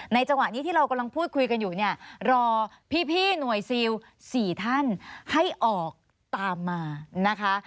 จังหวะนี้ที่เรากำลังพูดคุยกันอยู่เนี่ยรอพี่หน่วยซิล๔ท่านให้ออกตามมานะคะ